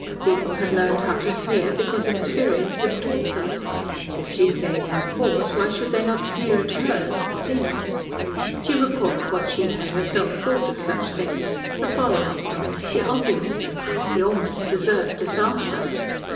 People had learned how to sneer because experience had taught them. If she gave them cause, why should they not sneer at her as at things? She recalled what she had herself thought of such things the folly of them, the obviousness the almost deserved disaster.